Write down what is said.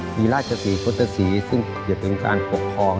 มีราชศรีพุทธศรีซึ่งจะเป็นการปกครอง